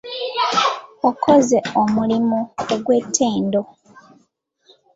Okoze omulimu ogw'ettendo.